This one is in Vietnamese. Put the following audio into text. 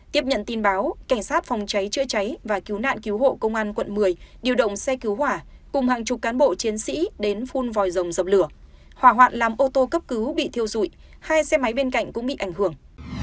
tiếp nhận tin báo cảnh sát phòng cháy chữa cháy và cứu nạn cứu hộ công an quận một mươi điều động xe cứu hỏa cùng hàng chục cán bộ chiến sĩ đến phun vòi rồng dập lửa hỏa hoạn làm ô tô cấp cứu bị thiêu dụi hai xe máy bên cạnh cũng bị ảnh hưởng